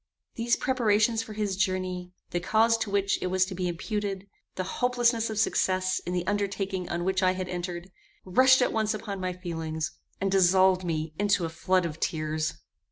These preparations for his journey, the cause to which it was to be imputed, the hopelessness of success in the undertaking on which I had entered, rushed at once upon my feelings, and dissolved me into a flood of tears.